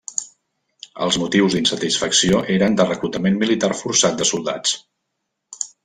Els motius d'insatisfacció eren de reclutament militar forçat de soldats.